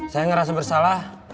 saya ngerasa bersalah